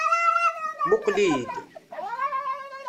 Muqel-iyi-d.